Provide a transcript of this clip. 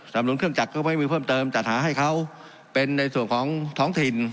หนุนเครื่องจักรก็ไม่มีเพิ่มเติมจัดหาให้เขาเป็นในส่วนของท้องถิ่น